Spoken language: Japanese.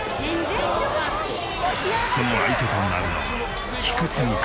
その相手となるのは菊次君。